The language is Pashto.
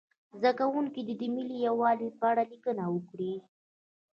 زده کوونکي دې د ملي یووالي په اړه لیکنه وکړي.